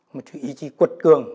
một sự ý chí quật cường